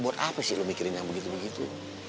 buat apa sih lo mikirin yang begitu begitu